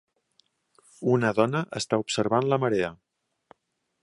Una dona està observant la marea